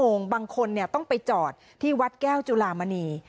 รถเป็นชั่วโมงบางคนเนี่ยต้องไปจอดที่วัดแก้วจุฬามณี